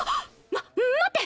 ま待って！